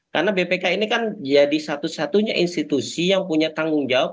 karena bpk ini kan jadi satu satunya institusi yang punya tanggung jawab